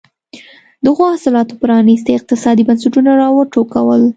دغو اصلاحاتو پرانېستي اقتصادي بنسټونه را وټوکول.